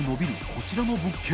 こちらの物件